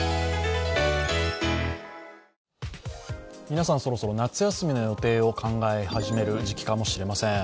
皆さん、そろそろ夏休みの予定を考え始める時期かもしれません。